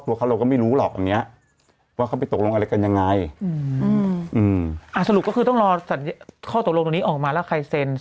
วันพระใหญ่เนาะ